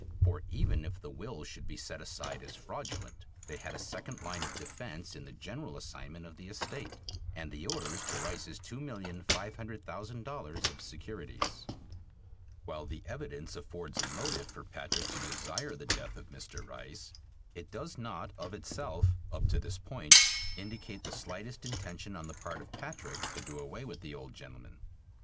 For even if the will should be set aside as fraudulent they had a second line of defense in the general assignment of the estate and the orders to Rice's two million five hundred thousand dollars of securities. While the evidence affords a motive for Patrick to desire the death of Mr. Rice, it does not of itself, up to this point, indicate the slightest intention on the part of Patrick to do away with the old gentleman.